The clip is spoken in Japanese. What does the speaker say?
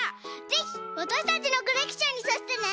ぜひわたしたちのコレクションにさせてね！